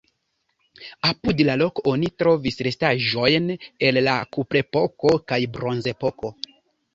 Apud la loko oni trovis restaĵojn el la kuprepoko kaj bronzepoko.